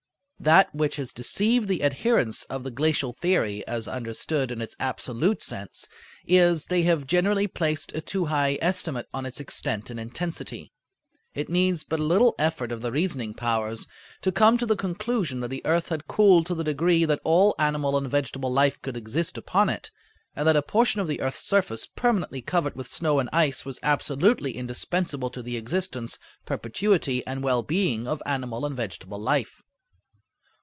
That which has deceived the adherents of the glacial theory, as understood in its absolute sense, is, they have generally placed a too high estimate on its extent and intensity. It needs but a little effort of the reasoning powers to come to the conclusion that the earth had cooled to the degree that all animal and vegetable life could exist upon it, and that a portion of the earth's surface permanently covered with snow and ice was absolutely indispensable to the existence, perpetuity, and well being of animal and vegetable life.